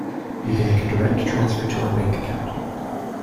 You can make a direct transfer to our bank account.